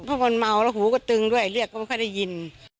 เพราะมันเมาแล้วหูก็ตึงด้วยเรียกก็ไม่ค่อยได้ยิน